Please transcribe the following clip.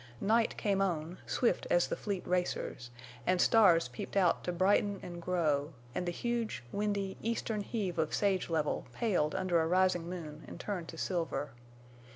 Night came on, swift as the fleet racers, and stars peeped out to brighten and grow, and the huge, windy, eastern heave of sage level paled under a rising moon and turned to silver.